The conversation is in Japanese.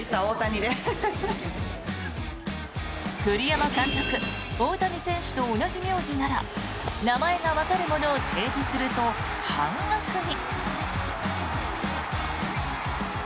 栗山監督、大谷選手と同じ名字なら名前がわかるものを提示すると半額に。